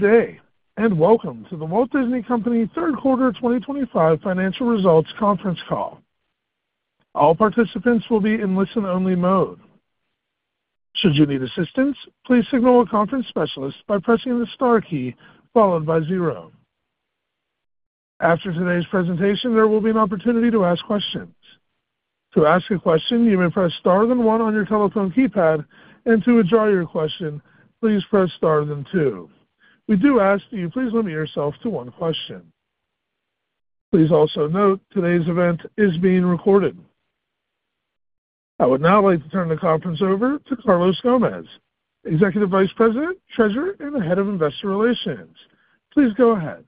Good day and welcome to The Walt Disney Company third quarter 2025 financial results conference call. All participants will be in listen-only mode. Should you need assistance, please signal a conference specialist by pressing the star key followed by zero. After today's presentation, there will be an opportunity to ask questions. To ask a question, you may press star then one on your telephone keypad, and to withdraw your question, please press star then two. We do ask that you please limit yourself to one question. Please also note today's event is being recorded. I would now like to turn the conference over to Carlos Gomez, Executive Vice President, Treasurer, and the Head of Investor Relations. Please go ahead.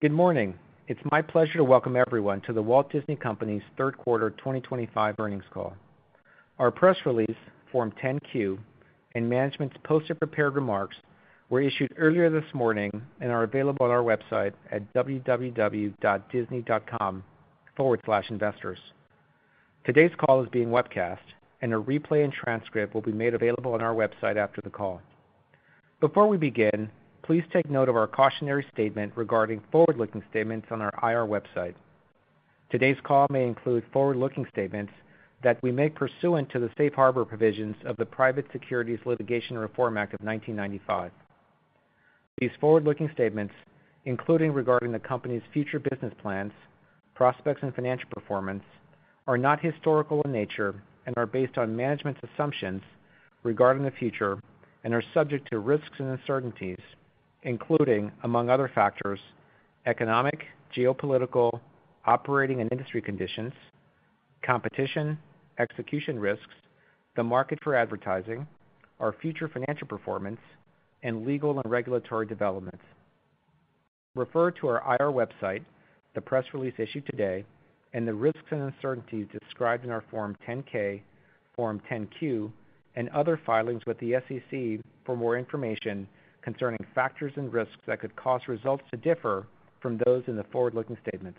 Good morning. It's my pleasure to welcome everyone to The Walt Disney Company's third quarter 2025 earnings call. Our press release, Form 10-Q, and management's posted prepared remarks were issued earlier this morning and are available on our website at www.disney.com/investors. Today's call is being webcast, and a replay and transcript will be made available on our website after the call. Before we begin, please take note of our cautionary statement regarding forward-looking statements on our IR website. Today's call may include forward-looking statements that we make pursuant to the safe harbor provisions of the Private Securities Litigation Reform Act of 1995. These forward-looking statements, including regarding the company's future business plans, prospects, and financial performance, are not historical in nature and are based on management's assumptions regarding the future and are subject to risks and uncertainties, including, among other factors, economic, geopolitical, operating, and industry conditions, competition, execution risks, the market for advertising, our future financial performance, and legal and regulatory developments. Refer to our IR website, the press release issued today, and the risks and uncertainties described in our Form 10-K, Form 10-Q, and other filings with the SEC for more information concerning factors and risks that could cause results to differ from those in the forward-looking statements.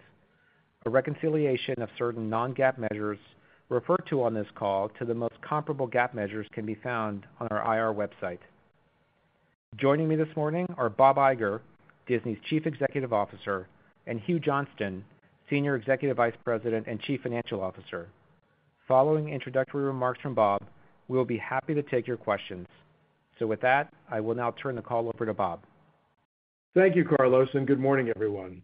A reconciliation of certain non-GAAP measures referred to on this call to the most comparable GAAP measures can be found on our IR website. Joining me this morning are Bob Iger, Disney's Chief Executive Officer, and Hugh Johnston, Senior Executive Vice President and Chief Financial Officer. Following introductory remarks from Bob, we will be happy to take your questions. With that, I will now turn the call over to Bob. Thank you, Carlos, and good morning, everyone.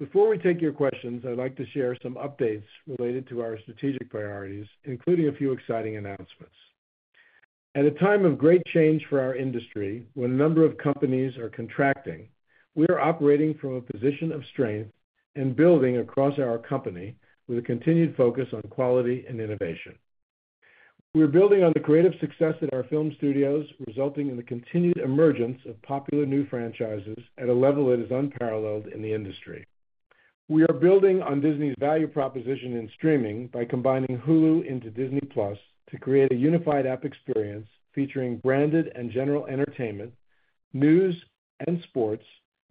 Before we take your questions, I'd like to share some updates related to our strategic priorities, including a few exciting announcements. At a time of great change for our industry, when a number of companies are contracting, we are operating from a position of strength and building across our company with a continued focus on quality and innovation. We're building on the creative success at our film studios, resulting in the continued emergence of popular new franchises at a level that is unparalleled in the industry. We are building on Disney's value proposition in streaming by combining Hulu into Disney+ to create a unified app experience featuring branded and general entertainment, news, and sports,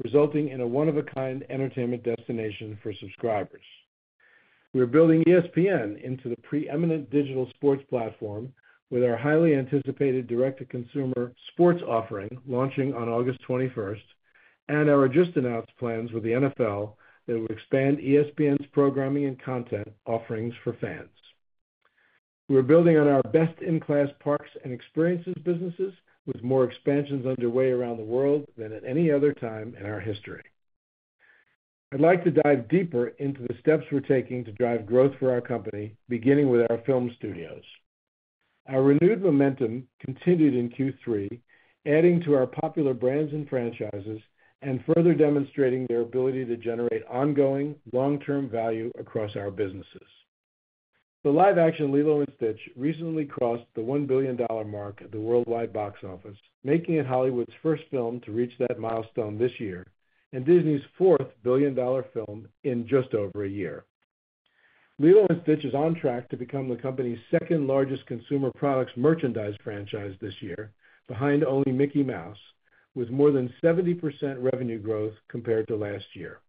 resulting in a one-of-a-kind entertainment destination for subscribers. We are building ESPN into the preeminent digital sports platform with our highly anticipated direct-to-consumer sports offering launching on August 21st, and our just-announced plans with the NFL that will expand ESPN's programming and content offerings for fans. We're building on our best-in-class parks and experiences businesses, with more expansions underway around the world than at any other time in our history. I'd like to dive deeper into the steps we're taking to drive growth for our company, beginning with our film studios. Our renewed momentum continued in Q3, adding to our popular brands and franchises and further demonstrating their ability to generate ongoing long-term value across our businesses. The live-action Lilo & Stitch recently crossed the $1 billion mark at the worldwide box office, making it Hollywood's first film to reach that milestone this year and Disney's fourth billion-dollar film in just over a year. Lilo & Stitch is on track to become the company's second-largest consumer products merchandise franchise this year, behind only Mickey Mouse, with more than 70% revenue growth compared to last year.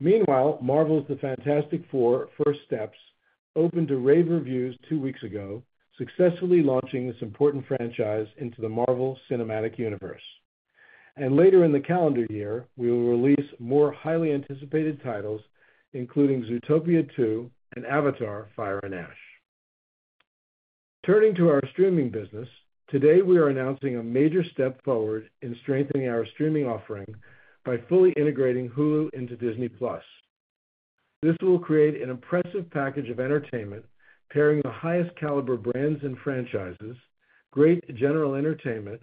Meanwhile, Marvel’s The Fantastic Four: First Steps opened to rave reviews two weeks ago, successfully launching this important franchise into the Marvel Cinematic Universe. Later in the calendar year, we will release more highly anticipated titles, including Zootopia 2 and Avatar: Fire and Ash. Turning to our streaming business, today we are announcing a major step forward in strengthening our streaming offering by fully integrating Hulu into Disney+. This will create an impressive package of entertainment, pairing the highest caliber brands and franchises, great general entertainment,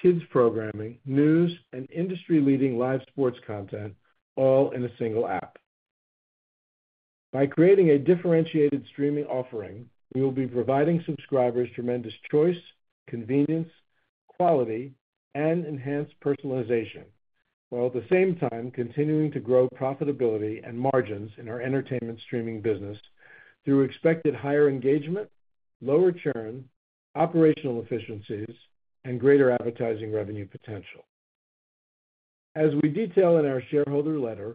kids' programming, news, and industry-leading live sports content, all in a single app. By creating a differentiated streaming offering, we will be providing subscribers tremendous choice, convenience, quality, and enhanced personalization, while at the same time continuing to grow profitability and margins in our entertainment streaming business through expected higher engagement, lower churn, operational efficiencies, and greater advertising revenue potential. As we detail in our shareholder letter,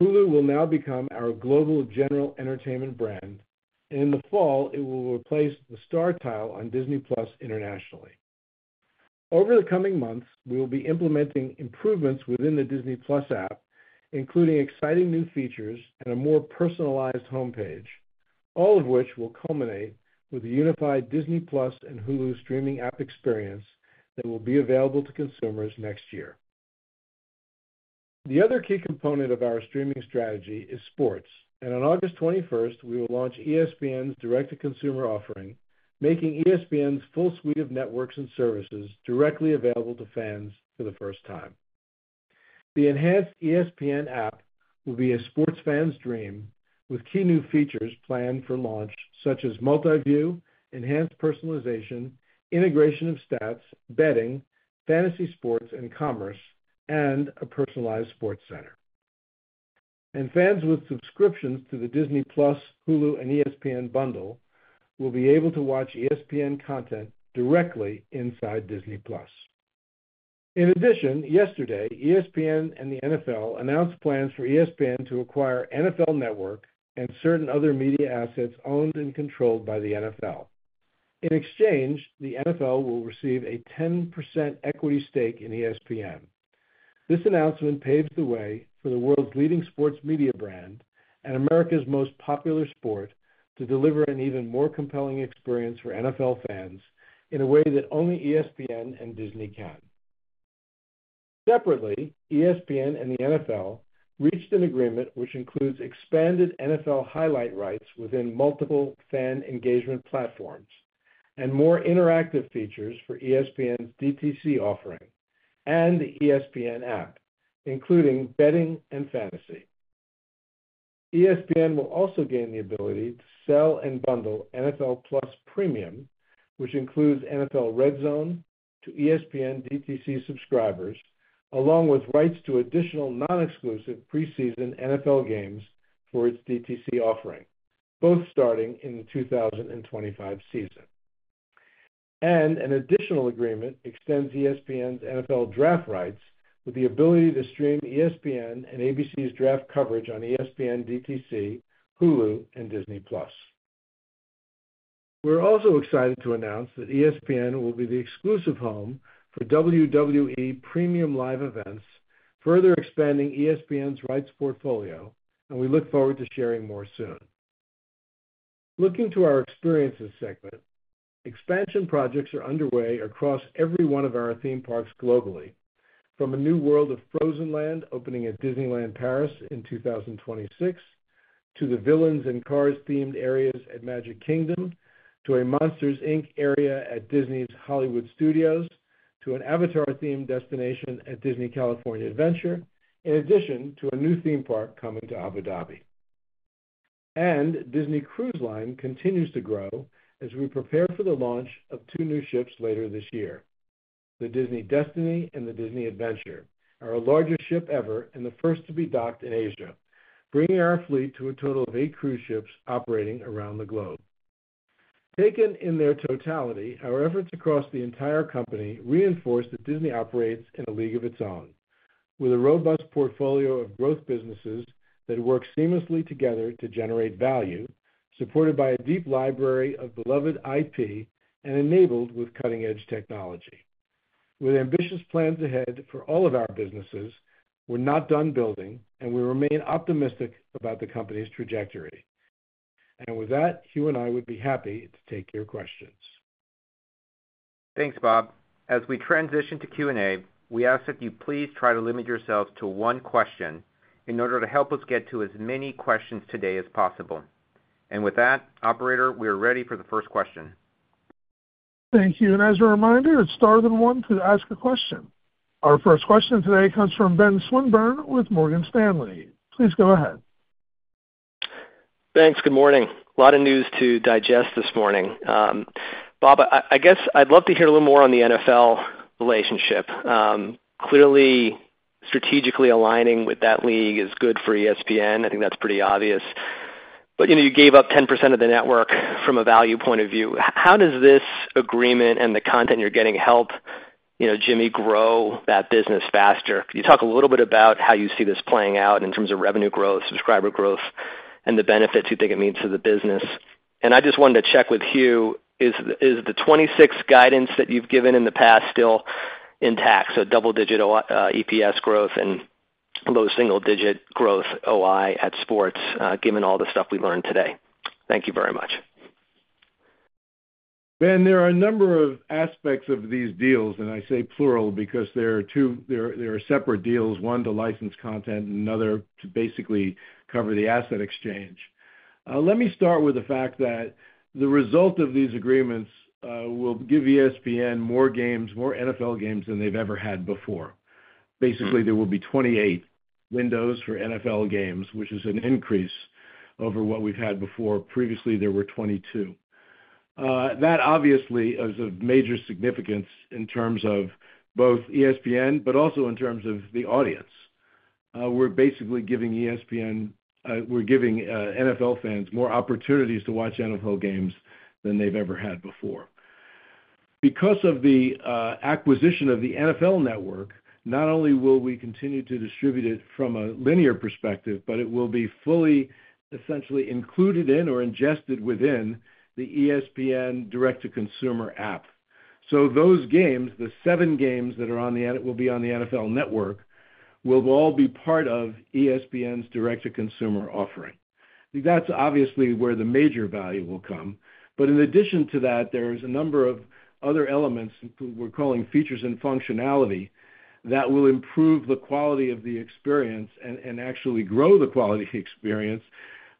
Hulu will now become our global general entertainment brand, and in the fall, it will replace the Star tile on Disney+ internationally. Over the coming months, we will be implementing improvements within the Disney+ app, including exciting new features and a more personalized homepage, all of which will culminate with a unified Disney+ and Hulu streaming app experience that will be available to consumers next year. The other key component of our streaming strategy is sports, and on August 21, we will launch ESPN's direct-to-consumer offering, making ESPN's full suite of networks and services directly available to fans for the first time. The enhanced ESPN app will be a sports fan's dream, with key new features planned for launch, such as multi-view, enhanced personalization, integration of stats, betting, fantasy sports, and commerce, and a personalized sports center. Fans with subscriptions to the Disney+, Hulu, and ESPN bundle will be able to watch ESPN content directly inside Disney+. In addition, yesterday, ESPN and the NFL announced plans for ESPN to acquire NFL Network and certain other media assets owned and controlled by the NFL. In exchange, the NFL will receive a 10% equity stake in ESPN. This announcement paves the way for the world's leading sports media brand and America's most popular sport to deliver an even more compelling experience for NFL fans in a way that only ESPN and Disney can. Separately, ESPN and the NFL reached an agreement which includes expanded NFL highlight rights within multiple fan engagement platforms and more interactive features for ESPN's DTC offering and the ESPN app, including betting and fantasy. ESPN will also gain the ability to sell and bundle NFL+ Premium, which includes NFL Red Zone to ESPN DTC subscribers, along with rights to additional non-exclusive preseason NFL games for its DTC offering, both starting in the 2025 season. An additional agreement extends ESPN's NFL Draft rights with the ability to stream ESPN and ABC's Draft coverage on ESPN DTC, Hulu, and Disney+. We're also excited to announce that ESPN will be the exclusive home for WWE Premium Live Events, further expanding ESPN's rights portfolio, and we look forward to sharing more soon. Looking to our experiences segment, expansion projects are underway across every one of our theme parks globally, from a new world of Frozen Land opening at Disneyland Paris in 2026, to the Villains and Cards themed areas at Magic Kingdom, to a Monsters Inc. area at Disney's Hollywood Studios, to an Avatar-themed destination at Disney California Adventure, in addition to a new theme park coming to Abu Dhabi. Disney Cruise Line continues to grow as we prepare for the launch of two new ships later this year. The Disney Destiny and the Disney Adventure are our largest ship ever and the first to be docked in Asia, bringing our fleet to a total of eight cruise ships operating around the globe. Taken in their totality, our efforts across the entire company reinforce that Disney operates in a league of its own, with a robust portfolio of growth businesses that work seamlessly together to generate value, supported by a deep library of beloved IP and enabled with cutting-edge technology. With ambitious plans ahead for all of our businesses, we're not done building, and we remain optimistic about the company's trajectory. With that, Hugh and I would be happy to take your questions. Thanks, Bob. As we transition to Q&A, we ask that you please try to limit yourselves to one question in order to help us get to as many questions today as possible. With that, operator, we are ready for the first question. Thank you. As a reminder, it's star then one to ask a question. Our first question today comes from Ben Swinburne with Morgan Stanley. Please go ahead. Thanks. Good morning. A lot of news to digest this morning. Bob, I guess I'd love to hear a little more on the NFL relationship. Clearly, strategically aligning with that league is good for ESPN. I think that's pretty obvious. You gave up 10% of the network from a value point of view. How does this agreement and the content you're getting help, you know, Jimmy, grow that business faster? Could you talk a little bit about how you see this playing out in terms of revenue growth, subscriber growth, and the benefits you think it means to the business? I just wanted to check with Hugh, is the 2026 guidance that you've given in the past still intact? Double-digit EPS growth and low single-digit growth OI at sports, given all the stuff we learned today. Thank you very much. Ben, there are a number of aspects of these deals, and I say plural because there are two separate deals, one to license content and another to basically cover the asset exchange. Let me start with the fact that the result of these agreements will give ESPN more games, more NFL games than they've ever had before. Basically, there will be 28 windows for NFL games, which is an increase over what we've had before. Previously, there were 22. That obviously is of major significance in terms of both ESPN, but also in terms of the audience. We're basically giving ESPN, we're giving NFL fans more opportunities to watch NFL games than they've ever had before. Because of the acquisition of the NFL Network, not only will we continue to distribute it from a linear perspective, but it will be fully essentially included in or ingested within the ESPN direct-to-consumer app. Those games, the seven games that are on the NFL Network, will all be part of ESPN's direct-to-consumer offering. I think that's obviously where the major value will come. In addition to that, there's a number of other elements we're calling features and functionality that will improve the quality of the experience and actually grow the quality experience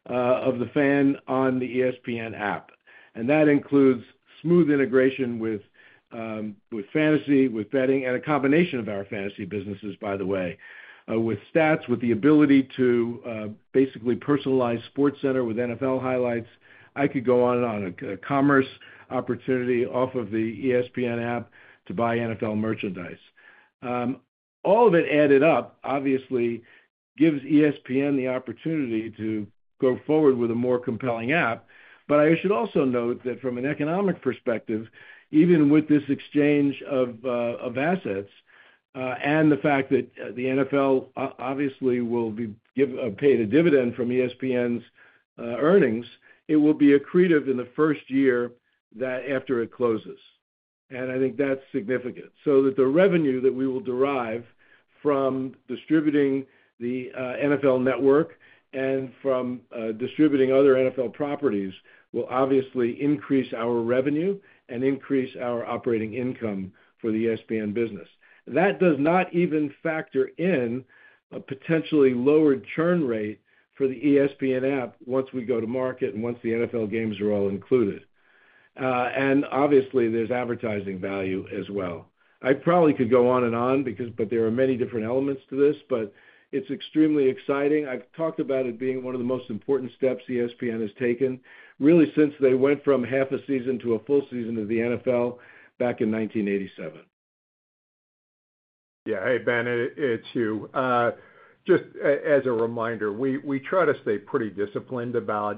of the fan on the ESPN app. That includes smooth integration with fantasy, with betting, and a combination of our fantasy businesses, by the way, with stats, with the ability to basically personalize SportsCenter with NFL highlights. I could go on and on, a commerce opportunity off of the ESPN app to buy NFL merchandise. All of it added up, obviously, gives ESPN the opportunity to go forward with a more compelling app. I should also note that from an economic perspective, even with this exchange of assets and the fact that the NFL obviously will be paid a dividend from ESPN's earnings, it will be accretive in the first year after it closes. I think that's significant. The revenue that we will derive from distributing the NFL Network and from distributing other NFL properties will obviously increase our revenue and increase our operating income for the ESPN business. That does not even factor in a potentially lowered churn rate for the ESPN app once we go to market and once the NFL games are all included. Obviously, there's advertising value as well. I probably could go on and on because there are many different elements to this, but it's extremely exciting. I've talked about it being one of the most important steps ESPN has taken, really, since they went from half a season to a full season of the NFL back in 1987. Yeah. Hey, Ben, it's Hugh. Just as a reminder, we try to stay pretty disciplined about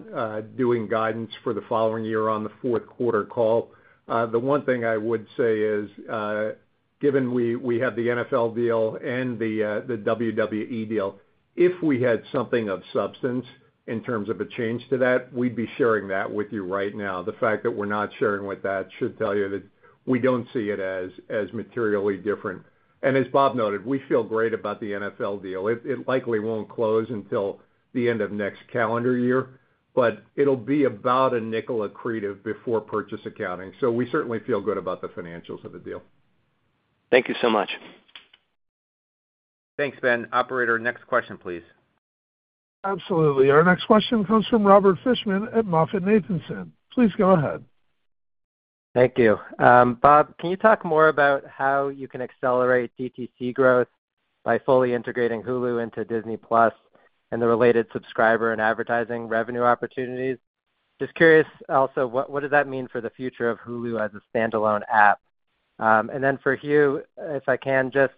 doing guidance for the following year on the fourth quarter call. The one thing I would say is, given we have the NFL deal and the WWE deal, if we had something of substance in terms of a change to that, we'd be sharing that with you right now. The fact that we're not sharing that should tell you that we don't see it as materially different. As Bob noted, we feel great about the NFL deal. It likely won't close until the end of next calendar year, but it'll be about $0.05 accretive before purchase accounting. We certainly feel good about the financials of the deal. Thank you so much. Thanks, Ben. Operator, next question, please. Absolutely. Our next question comes from Robert Fishman at MoffettNathanson. Please go ahead. Thank you. Bob, can you talk more about how you can accelerate DTC growth by fully integrating Hulu into Disney+ and the related subscriber and advertising revenue opportunities? Just curious also, what does that mean for the future of Hulu as a standalone app? For Hugh, if I can, just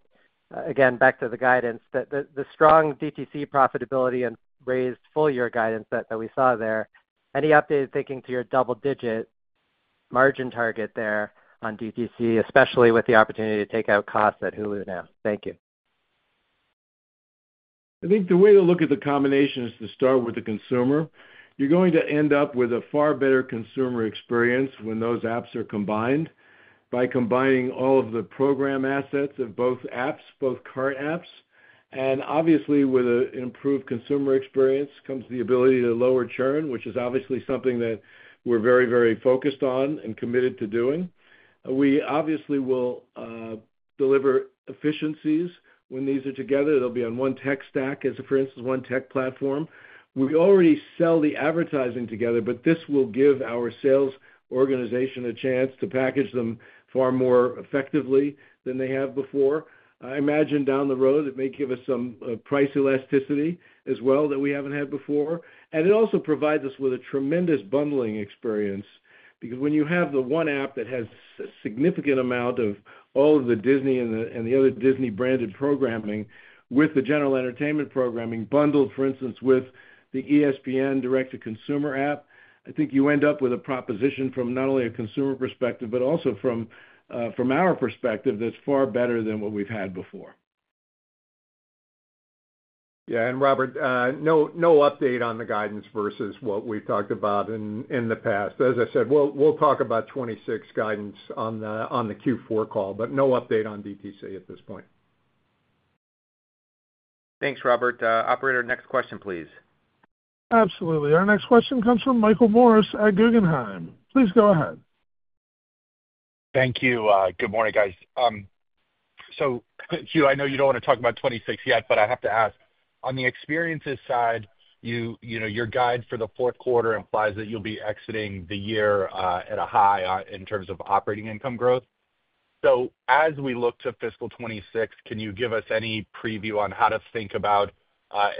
again, back to the guidance, the strong DTC profitability and raised full-year guidance that we saw there. Any updated thinking to your double-digit margin target there on DTC, especially with the opportunity to take out costs at Hulu now? Thank you. I think the way to look at the combination is to start with the consumer. You're going to end up with a far better consumer experience when those apps are combined by combining all of the program assets of both apps, both current apps. Obviously, with an improved consumer experience comes the ability to lower churn, which is something that we're very, very focused on and committed to doing. We will deliver efficiencies when these are together. They'll be on one tech stack, for instance, one tech platform. We already sell the advertising together, but this will give our sales organization a chance to package them far more effectively than they have before. I imagine down the road, it may give us some price elasticity as well that we haven't had before. It also provides us with a tremendous bundling experience because when you have the one app that has a significant amount of all of the Disney and the other Disney-branded programming with the general entertainment programming bundled, for instance, with the ESPN direct-to-consumer app, I think you end up with a proposition from not only a consumer perspective, but also from our perspective, that's far better than what we've had before. Yeah. Robert, no update on the guidance versus what we've talked about in the past. As I said, we'll talk about 2026 guidance on the Q4 call, but no update on DTC at this point. Thanks, Robert. Operator, next question, please. Absolutely. Our next question comes from Michael Morris at Guggenheim. Please go ahead. Thank you. Good morning, guys. Hugh, I know you don't want to talk about 2026 yet, but I have to ask, on the experiences side, your guide for the fourth quarter implies that you'll be exiting the year at a high in terms of operating income growth. As we look to fiscal 2026, can you give us any preview on how to think about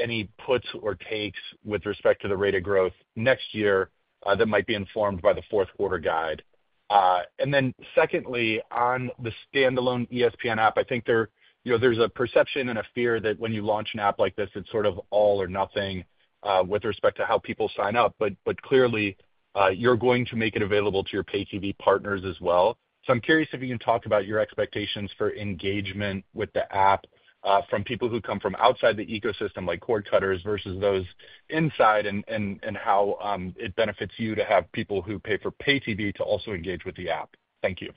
any puts or takes with respect to the rate of growth next year that might be informed by the fourth quarter guide? Secondly, on the standalone ESPN app, I think there's a perception and a fear that when you launch an app like this, it's sort of all or nothing with respect to how people sign up. Clearly, you're going to make it available to your pay-TV partners as well. I'm curious if you can talk about your expectations for engagement with the app from people who come from outside the ecosystem, like cord cutters, versus those inside, and how it benefits you to have people who pay for pay-TV to also engage with the app. Thank you.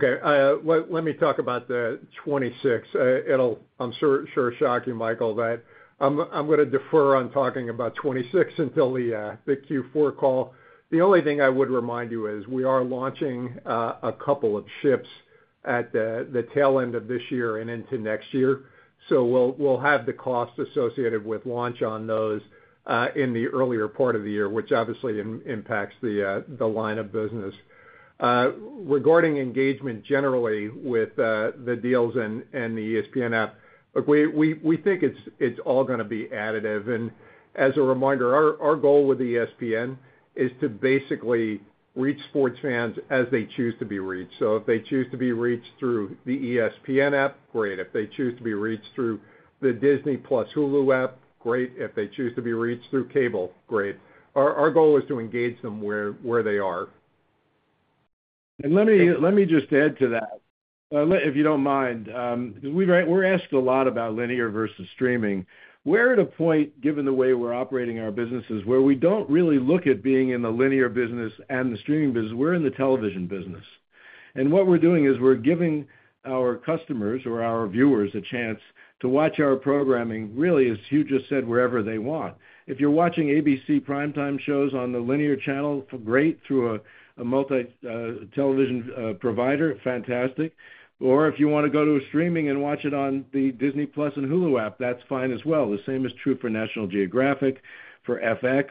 Okay. Let me talk about the 2026. It'll, I'm sure, sure shock you, Michael, that I'm going to defer on talking about 2026 until the Q4 call. The only thing I would remind you is we are launching a couple of ships at the tail end of this year and into next year. We'll have the costs associated with launch on those in the earlier part of the year, which obviously impacts the line of business. Regarding engagement generally with the deals and the ESPN app, look, we think it's all going to be additive. As a reminder, our goal with ESPN is to basically reach sports fans as they choose to be reached. If they choose to be reached through the ESPN app, great. If they choose to be reached through the Disney+ Hulu app, great. If they choose to be reached through cable, great. Our goal is to engage them where they are. Let me just add to that, if you don't mind, because we're asked a lot about linear versus streaming. We're at a point, given the way we're operating our businesses, where we don't really look at being in the linear business and the streaming business. We're in the television business. What we're doing is we're giving our customers or our viewers a chance to watch our programming, really, as Hugh just said, wherever they want. If you're watching ABC Primetime shows on the linear channel, great, through a multi-television provider, fantastic. If you want to go to streaming and watch it on the Disney+ and Hulu app, that's fine as well. The same is true for National Geographic, for FX,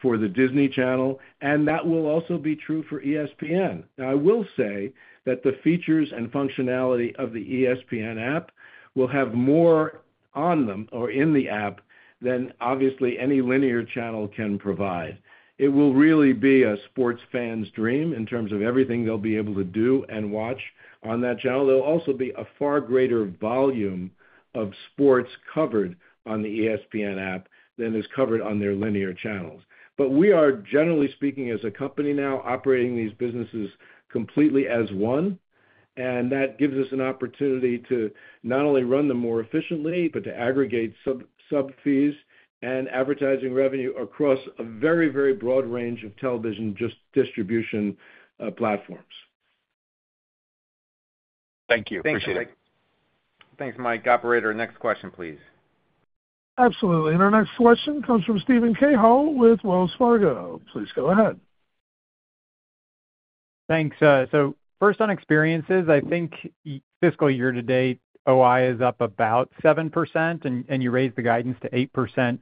for the Disney Channel, and that will also be true for ESPN. I will say that the features and functionality of the ESPN app will have more on them or in the app than obviously any linear channel can provide. It will really be a sports fan's dream in terms of everything they'll be able to do and watch on that channel. There'll also be a far greater volume of sports covered on the ESPN app than is covered on their linear channels. We are, generally speaking, as a company now operating these businesses completely as one, and that gives us an opportunity to not only run them more efficiently, but to aggregate subfees and advertising revenue across a very, very broad range of television distribution platforms. Thank you. Appreciate it. Thanks, Mike. Operator, next question, please. Absolutely. Our next question comes from Steven Cahill with Wells Fargo. Please go ahead. Thanks. First on experiences, I think fiscal year to date, OI is up about 7%, and you raised the guidance to 8%.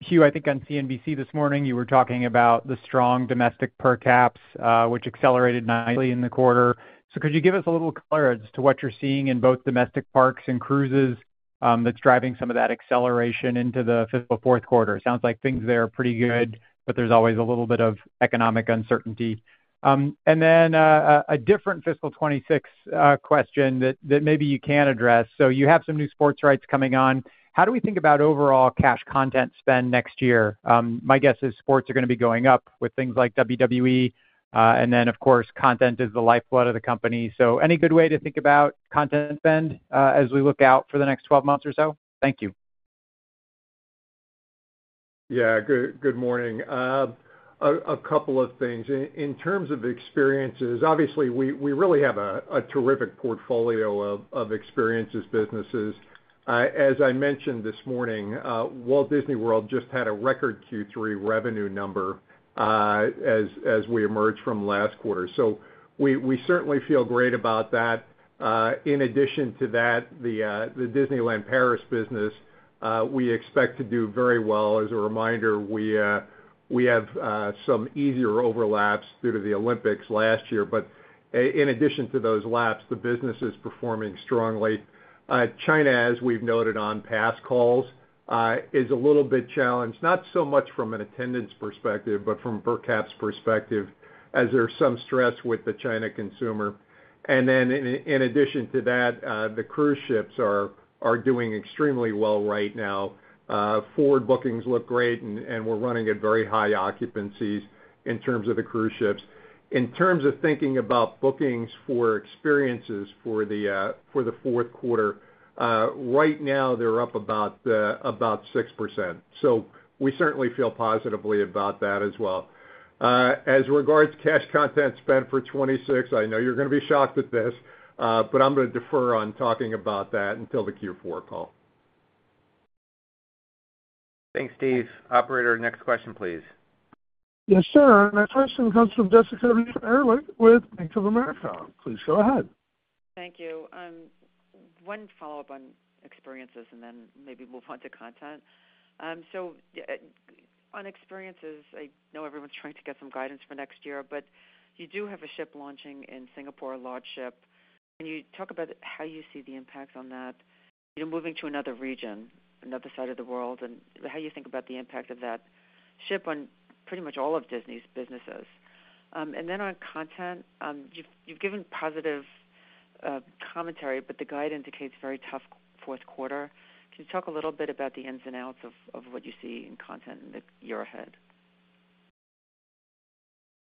Hugh, I think on CNBC this morning, you were talking about the strong domestic per caps, which accelerated nicely in the quarter. Could you give us a little clearance to what you're seeing in both domestic parks and cruises that's driving some of that acceleration into the fiscal fourth quarter? It sounds like things there are pretty good, but there's always a little bit of economic uncertainty. A different fiscal 2026 question that maybe you can address: you have some new sports rights coming on. How do we think about overall cash content spend next year? My guess is sports are going to be going up with things like WWE, and of course, content is the lifeblood of the company. Any good way to think about content spend as we look out for the next 12 months or so? Thank you. Yeah. Good morning. A couple of things. In terms of experiences, obviously, we really have a terrific portfolio of experiences businesses. As I mentioned this morning, Walt Disney World just had a record Q3 revenue number as we emerged from last quarter. We certainly feel great about that. In addition to that, the Disneyland Paris business, we expect to do very well. As a reminder, we have some easier overlaps due to the Olympics last year. In addition to those laps, the business is performing strongly. China, as we've noted on past calls, is a little bit challenged, not so much from an attendance perspective, but from per caps perspective, as there's some stress with the China consumer. In addition to that, the cruise ships are doing extremely well right now. Forward bookings look great, and we're running at very high occupancies in terms of the cruise ships. In terms of thinking about bookings for experiences for the fourth quarter, right now they're up about 6%. We certainly feel positively about that as well. As regards to cash content spend for 2026, I know you're going to be shocked at this, but I'm going to defer on talking about that until the Q4 call. Thanks, Steve. Operator, next question, please. Yes, sir. Our question comes from Jessica Reif Ehrlich with Bank of America. Please go ahead. Thank you. One follow-up on experiences, and then maybe move on to content. On experiences, I know everyone's trying to get some guidance for next year, but you do have a ship launching in Singapore, a large ship. Can you talk about how you see the impact on that, you know, moving to another region, another side of the world, and how you think about the impact of that ship on pretty much all of Disney's businesses? On content, you've given positive commentary, but the guide indicates a very tough fourth quarter. Can you talk a little bit about the ins and outs of what you see in content in the year ahead?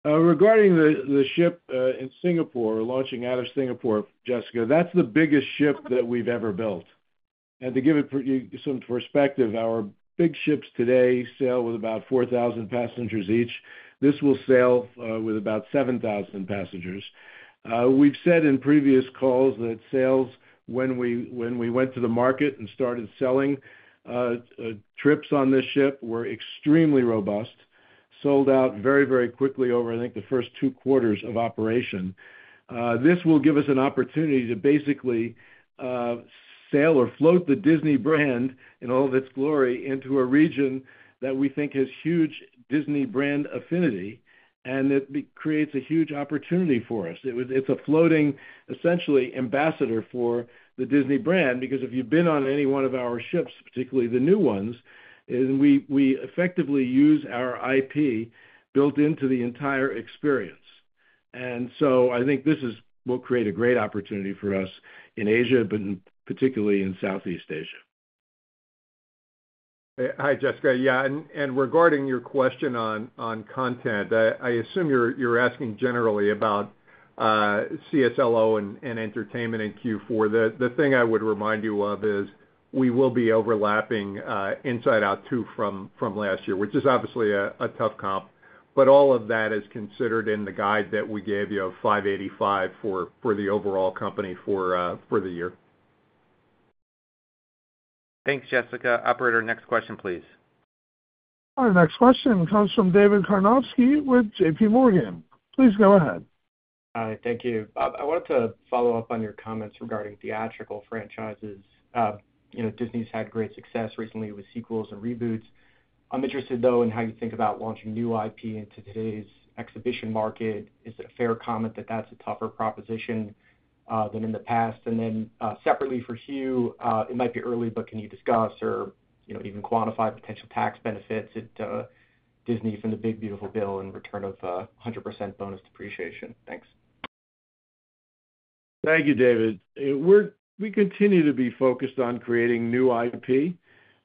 Regarding the ship in Singapore, launching out of Singapore, Jessica, that's the biggest ship that we've ever built. To give it some perspective, our big ships today sail with about 4,000 passengers each. This will sail with about 7,000 passengers. We've said in previous calls that sales when we went to the market and started selling trips on this ship were extremely robust, sold out very, very quickly over, I think, the first two quarters of operation. This will give us an opportunity to basically sail or float the Disney brand in all of its glory into a region that we think has huge Disney brand affinity and that creates a huge opportunity for us. It's a floating, essentially, ambassador for the Disney brand because if you've been on any one of our ships, particularly the new ones, we effectively use our IP built into the entire experience. I think this will create a great opportunity for us in Asia, particularly in Southeast Asia. Hi, Jessica. Regarding your question on content, I assume you're asking generally about CSLO and entertainment in Q4. The thing I would remind you of is we will be overlapping Inside Out 2 from last year, which is obviously a tough comp. All of that is considered in the guide that we gave you of $585 million for the overall company for the year. Thanks, Jessica. Operator, next question, please. Our next question comes from David Karnovsky with JPMorgan. Please go ahead. Hi. Thank you. I wanted to follow up on your comments regarding theatrical franchises. You know, Disney's had great success recently with sequels and reboots. I'm interested, though, in how you think about launching new IP into today's exhibition market. Is it a fair comment that that's a tougher proposition than in the past? Separately for Hugh, it might be early, but can you discuss or even quantify potential tax benefits at Disney from the Big Beautiful Bill in return of 100% bonus depreciation? Thanks. Thank you, David. We continue to be focused on creating new IP.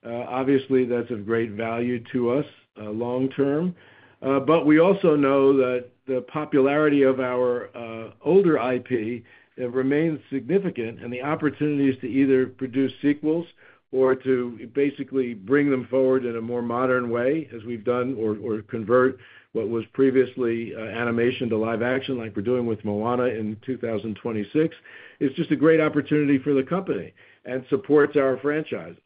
Obviously, that's of great value to us long term. We also know that the popularity of our older IP remains significant and the opportunities to either produce sequels or to basically bring them forward in a more modern way, as we've done, or convert what was previously animation to live action, like we're doing with Moana in 2026, is just a great opportunity for the company and supports our franchise.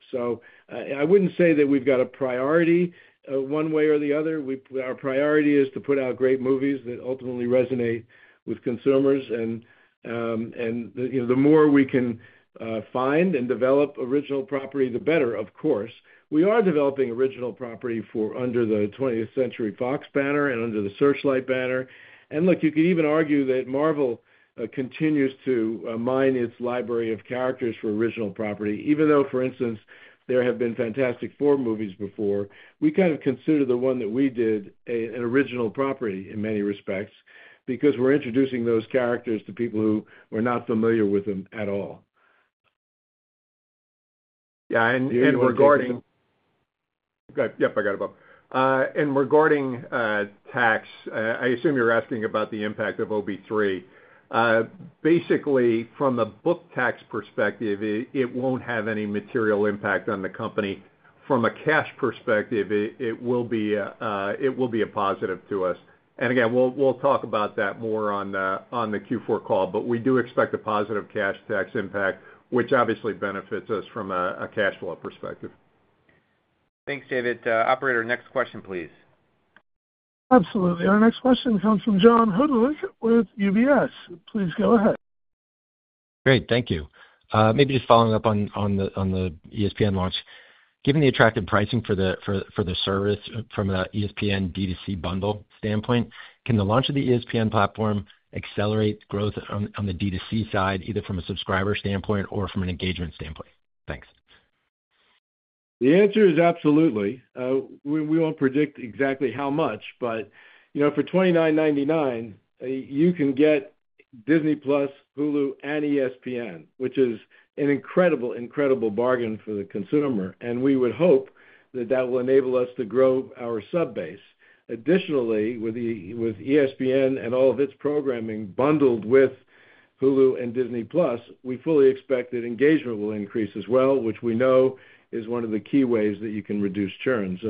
I wouldn't say that we've got a priority one way or the other. Our priority is to put out great movies that ultimately resonate with consumers. The more we can find and develop original property, the better, of course. We are developing original property for under the 20th Century Fox banner and under the Searchlight banner. You could even argue that Marvel continues to mine its library of characters for original property. Even though, for instance, there have been Fantastic Four movies before, we kind of consider the one that we did an original property in many respects because we're introducing those characters to people who are not familiar with them at all. Regarding. Go ahead. I got it, Bob. Regarding tax, I assume you're asking about the impact of OB-3. Basically, from a book tax perspective, it won't have any material impact on the company. From a cash perspective, it will be a positive to us. We'll talk about that more on the Q4 call. We do expect a positive cash tax impact, which obviously benefits us from a cash flow perspective. Thanks, David. Operator, next question, please. Absolutely. Our next question comes from John Hodulik with UBS. Please go ahead. Great. Thank you. Maybe just following up on the ESPN launch. Given the attractive pricing for the service from an ESPN DTC bundle standpoint, can the launch of the ESPN platform accelerate growth on the DTC side, either from a subscriber standpoint or from an engagement standpoint? Thanks. The answer is absolutely. We won't predict exactly how much, but you know for $29.99, you can get Disney+, Hulu, and ESPN, which is an incredible, incredible bargain for the consumer. We would hope that that will enable us to grow our subbase. Additionally, with ESPN and all of its programming bundled with Hulu and Disney+, we fully expect that engagement will increase as well, which we know is one of the key ways that you can reduce churn.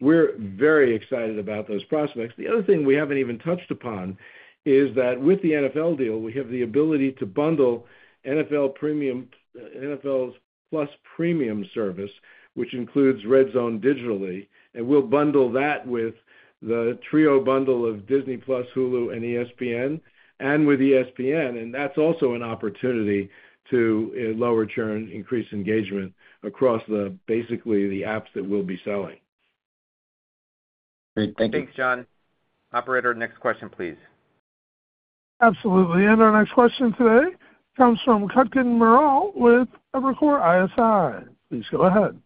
We are very excited about those prospects. The other thing we haven't even touched upon is that with the NFL deal, we have the ability to bundle NFL+ Premium service, which includes Red Zone digitally. We'll bundle that with the trio bundle of Disney+, Hulu, and ESPN and with ESPN. That's also an opportunity to lower churn, increase engagement across basically the apps that we'll be selling. Great. Thanks. Thanks, John. Operator, next question, please. Absolutely. Our next question today comes from Kutgun Maral with Evercore ISI. Please go ahead.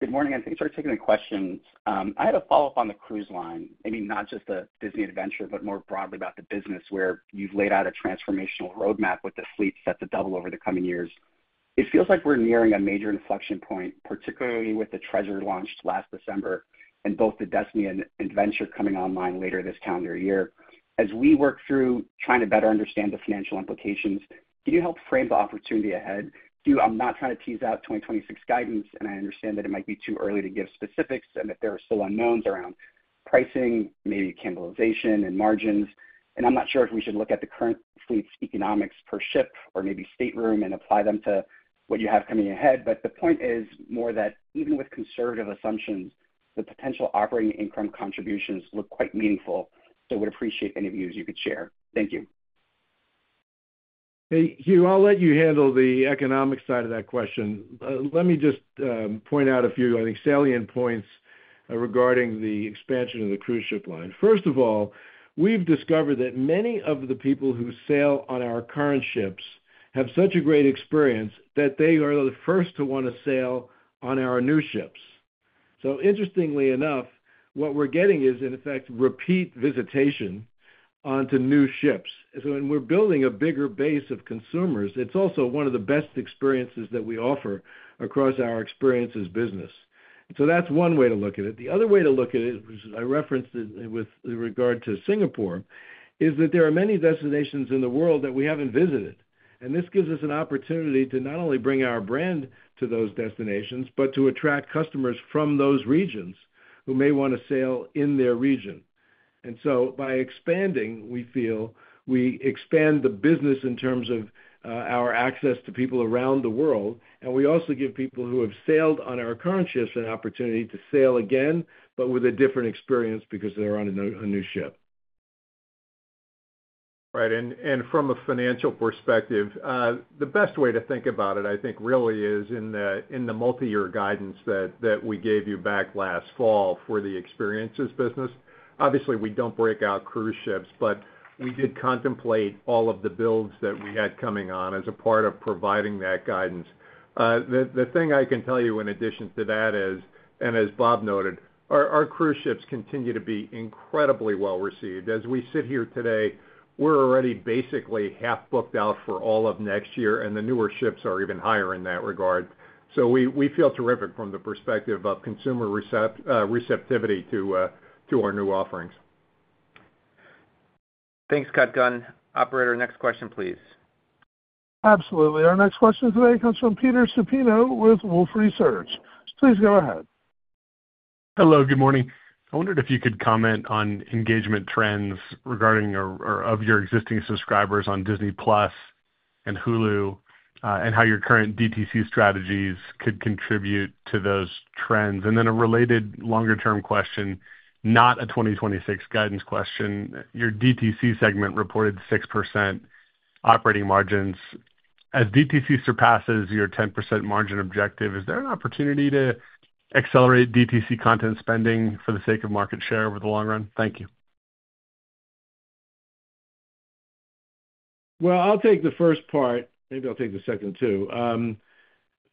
Good morning. I think we started taking the questions. I had a follow-up on the cruise line, maybe not just the Disney Adventure, but more broadly about the business where you've laid out a transformational roadmap with the fleet set to double over the coming years. It feels like we're nearing a major inflection point, particularly with the Disney Treasure launched last December and both the Disney Destiny and Disney Adventure coming online later this calendar year. As we work through trying to better understand the financial implications, can you help frame the opportunity ahead? I'm not trying to tease out 2026 guidance, and I understand that it might be too early to give specifics and that there are still unknowns around pricing, maybe cannibalization, and margins. I'm not sure if we should look at the current fleet's economics per ship or maybe stateroom and apply them to what you have coming ahead. The point is more that even with conservative assumptions, the potential operating income contributions look quite meaningful. I would appreciate any views you could share. Thank you. Hugh, I'll let you handle the economic side of that question. Let me just point out a few, I think, salient points regarding the expansion of the cruise ship line. First of all, we've discovered that many of the people who sail on our current ships have such a great experience that they are the first to want to sail on our new ships. Interestingly enough, what we're getting is, in effect, repeat visitation onto new ships, and we're building a bigger base of consumers. It's also one of the best experiences that we offer across our experiences business. That's one way to look at it. The other way to look at it, which I referenced with regard to Singapore, is that there are many destinations in the world that we haven't visited. This gives us an opportunity to not only bring our brand to those destinations, but to attract customers from those regions who may want to sail in their region. By expanding, we feel we expand the business in terms of our access to people around the world. We also give people who have sailed on our current ships an opportunity to sail again, but with a different experience because they're on a new ship. Right. From a financial perspective, the best way to think about it, I think, really is in the multi-year guidance that we gave you back last fall for the experiences business. Obviously, we don't break out cruise ships, but we did contemplate all of the builds that we had coming on as a part of providing that guidance. The thing I can tell you in addition to that is, as Bob noted, our cruise ships continue to be incredibly well received. As we sit here today, we're already basically half booked out for all of next year, and the newer ships are even higher in that regard. We feel terrific from the perspective of consumer receptivity to our new offerings. Thanks, Kutgun. Operator, next question, please. Absolutely. Our next question today comes from Peter Supino with Wolfe Research. Please go ahead. Hello. Good morning. I wondered if you could comment on engagement trends regarding your existing subscribers on Disney+ and Hulu and how your current DTC strategies could contribute to those trends. A related longer-term question, not a 2026 guidance question, your DTC segment reported 6% operating margins. As DTC surpasses your 10% margin objective, is there an opportunity to accelerate DTC content spending for the sake of market share over the long run? Thank you. I'll take the first part. Maybe I'll take the second too.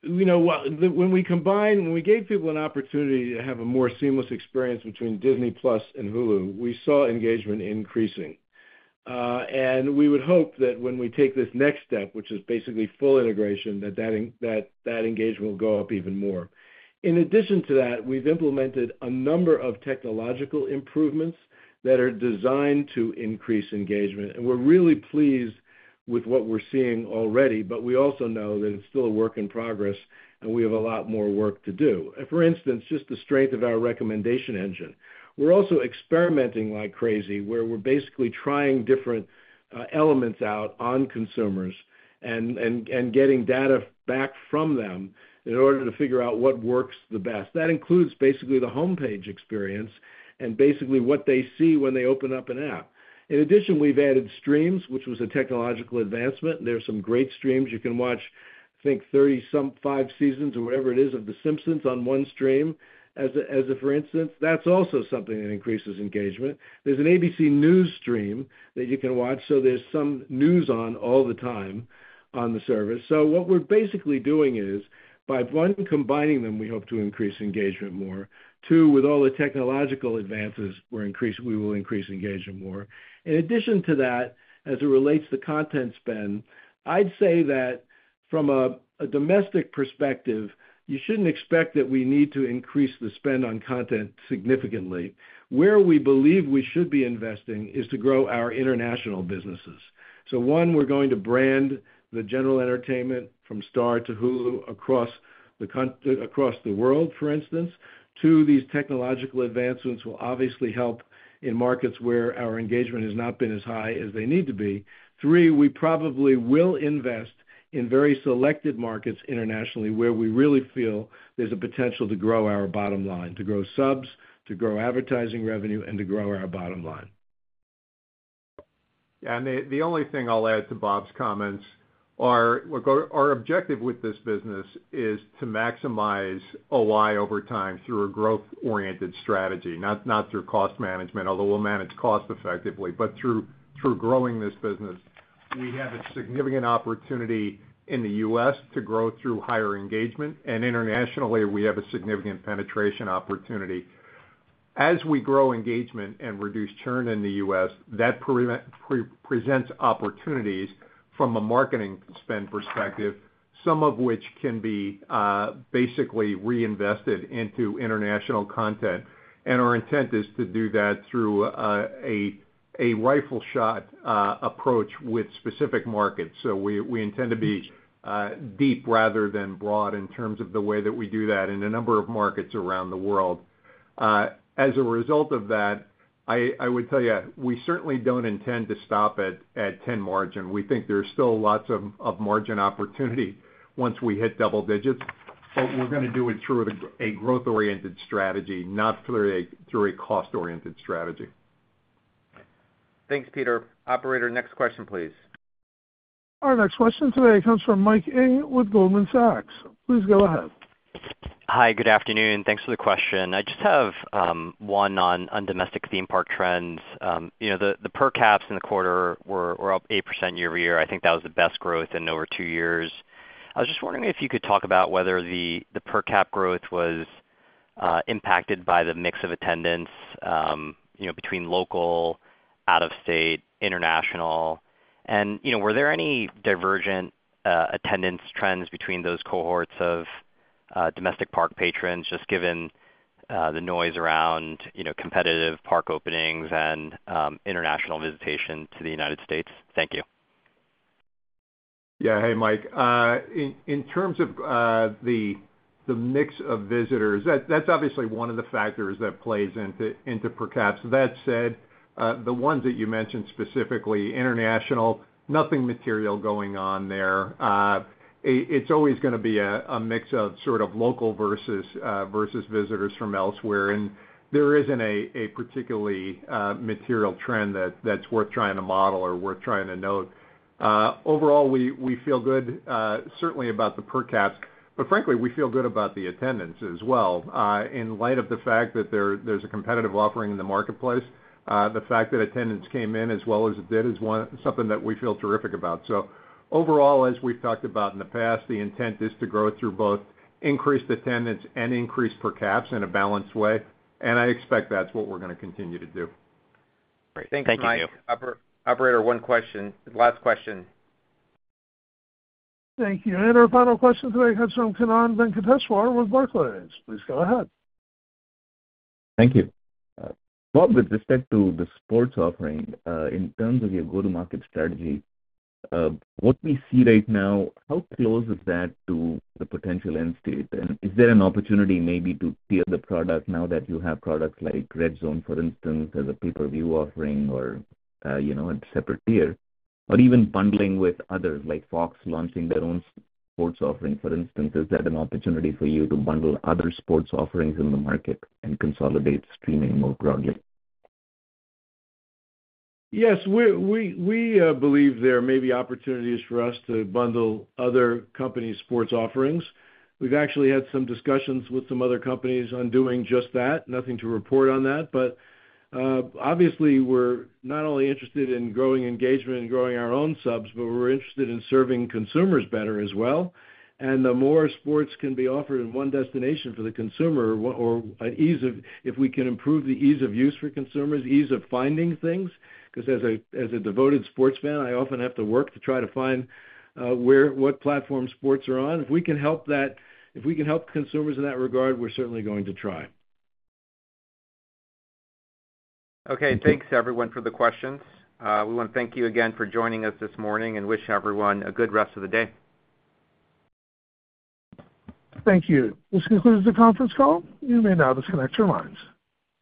When we combined, when we gave people an opportunity to have a more seamless experience between Disney+ and Hulu, we saw engagement increasing. We would hope that when we take this next step, which is basically full integration, that engagement will go up even more. In addition to that, we've implemented a number of technological improvements that are designed to increase engagement. We're really pleased with what we're seeing already, but we also know that it's still a work in progress, and we have a lot more work to do. For instance, just the strength of our recommendation engine. We're also experimenting like crazy, where we're basically trying different elements out on consumers and getting data back from them in order to figure out what works the best. That includes basically the homepage experience and basically what they see when they open up an app. In addition, we've added streams, which was a technological advancement. There are some great streams you can watch, I think, 35 seasons or whatever it is of The Simpsons on one stream as a, for instance. That's also something that increases engagement. There's an ABC News stream that you can watch. There is some news on all the time on the service. What we're basically doing is, by one, combining them, we hope to increase engagement more. Two, with all the technological advances, we will increase engagement more. In addition to that, as it relates to the content spend, I'd say that from a domestic perspective, you shouldn't expect that we need to increase the spend on content significantly. Where we believe we should be investing is to grow our international businesses. One, we're going to brand the general entertainment from Star to Hulu across the world, for instance. Two, these technological advancements will obviously help in markets where our engagement has not been as high as they need to be. Three, we probably will invest in very selected markets internationally where we really feel there's a potential to grow our bottom line, to grow subs, to grow advertising revenue, and to grow our bottom line. Yeah. The only thing I'll add to Bob's comments is our objective with this business is to maximize operating income over time through a growth-oriented strategy, not through cost management, although we'll manage cost effectively, but through growing this business. We have a significant opportunity in the U.S. to grow through higher engagement, and internationally, we have a significant penetration opportunity. As we grow engagement and reduce churn in the U.S., that presents opportunities from a marketing spend perspective, some of which can be basically reinvested into international content. Our intent is to do that through a rifle shot approach with specific markets. We intend to be deep rather than broad in terms of the way that we do that in a number of markets around the world. As a result of that, I would tell you, we certainly don't intend to stop at 10% margin. We think there's still lots of margin opportunity once we hit double digits, but we're going to do it through a growth-oriented strategy, not through a cost-oriented strategy. Thanks, Peter. Operator, next question, please. Our next question today comes from Mike Ng with Goldman Sachs. Please go ahead. Hi. Good afternoon. Thanks for the question. I just have one on domestic theme park trends. The per caps in the quarter were up 8% year-over-year. I think that was the best growth in over two years. I was just wondering if you could talk about whether the per cap growth was impacted by the mix of attendance between local, out-of-state, international. Were there any divergent attendance trends between those cohorts of domestic park patrons, just given the noise around competitive park openings and international visitation to the United States? Thank you. Yeah. Hey, Mike. In terms of the mix of visitors, that's obviously one of the factors that plays into per caps. That said, the ones that you mentioned specifically, international, nothing material going on there. It's always going to be a mix of sort of local versus visitors from elsewhere. There isn't a particularly material trend that's worth trying to model or worth trying to note. Overall, we feel good, certainly about the per caps. Frankly, we feel good about the attendance as well, in light of the fact that there's a competitive offering in the marketplace. The fact that attendance came in as well as it did is something that we feel terrific about. Overall, as we've talked about in the past, the intent is to grow through both increased attendance and increased per caps in a balanced way. I expect that's what we're going to continue to do. Thank you, Hugh. Operator, one question. Last question. Thank you. Our final question today comes from Kannan Venkateshwar with Barclays. Please go ahead. Thank you. Bob, with respect to the sports offering, in terms of your go-to-market strategy, what we see right now, how close is that to the potential end state? Is there an opportunity maybe to tier the product now that you have products like Red Zone, for instance, as a pay-per-view offering or a separate tier? Even bundling with others, like Fox launching their own sports offering, for instance, is that an opportunity for you to bundle other sports offerings in the market and consolidate streaming more broadly? Yes. We believe there may be opportunities for us to bundle other companies' sports offerings. We've actually had some discussions with some other companies on doing just that. Nothing to report on that. Obviously, we're not only interested in growing engagement and growing our own subs, but we're interested in serving consumers better as well. The more sports can be offered in one destination for the consumer or an ease of, if we can improve the ease of use for consumers, ease of finding things, because as a devoted sports fan, I often have to work to try to find what platform sports are on. If we can help that, if we can help consumers in that regard, we're certainly going to try. Okay. Thanks, everyone, for the questions. We want to thank you again for joining us this morning and wish everyone a good rest of the day. Thank you. This concludes the conference call. You may now disconnect your lines.